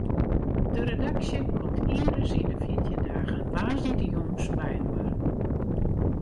De redaksje komt ienris yn de fjirtjin dagen woansdeitejûns byinoar.